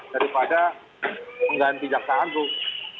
daripada mengganti jaksa agung